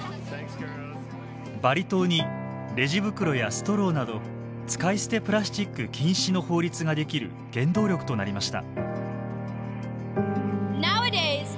バリ島にレジ袋やストローなど使い捨てプラスチック禁止の法律が出来る原動力となりました。